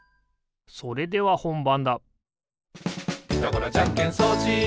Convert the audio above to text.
それではほんばんだおや？